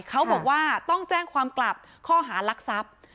เขาบอกว่าต้องแจ้งความกลับข้อหารักทรัพย์